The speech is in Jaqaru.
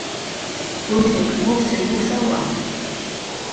Junch'iq mujsay mujsawa